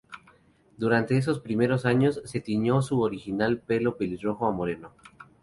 Durante esos primeros años, se tiñó su original pelo pelirrojo a moreno.